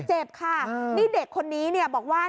เจ็บค่ะนี่เด็กคนนี้เนี่ยบอกว่า